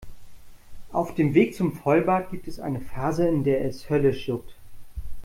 Auf dem Weg zum Vollbart gibt es eine Phase, in der es höllisch juckt.